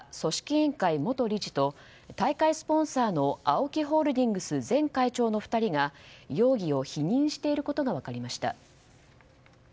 委員会元理事と大会スポンサーのＡＯＫＩホールディングス前会長の２人が容疑を否認していることが分かりました。